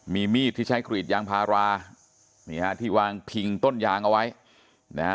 มีมีดที่ใช้กรีดยางพารานี่ฮะที่วางพิงต้นยางเอาไว้นะฮะ